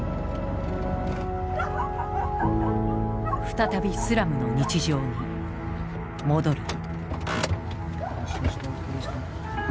再びスラムの日常に戻る。